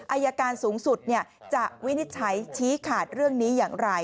อายการสูงสุดจะวินิจฉัยชี้ขาดเรื่องนี้อย่างไร